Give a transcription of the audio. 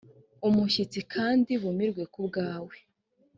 umushyitsi kandi bumirwe ku bwawe